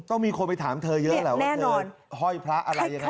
ต้องมีคนไปถามเธอเยอะแหละแน่นอนว่าเธอห้อยพระอะไรอย่างนั้นหรือเปล่า